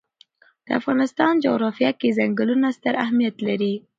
د افغانستان جغرافیه کې ځنګلونه ستر اهمیت لري.